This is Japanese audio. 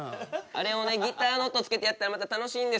あれをねギターの音をつけてやったらまた楽しいんですよ。